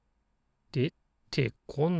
出てこない？